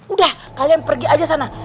udah kalian pergi aja sana